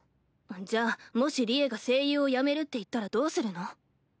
じゃあもし利恵が声優を辞めるって言ったらどうするの？